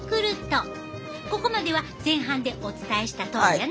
ここまでは前半でお伝えしたとおりやな。